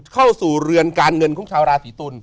เข้าสู่เรือนการเงินของชาวราศีตุล